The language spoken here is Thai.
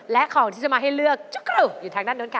และของที่จะมาให้เลือกจุ๊กกรูอยู่ทางด้านนู้นค่ะ